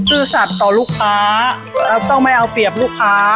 ซื่อสัตว์ต่อลูกค้าแล้วต้องไม่เอาเปรียบลูกค้า